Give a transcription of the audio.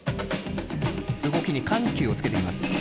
動きに緩急をつけています。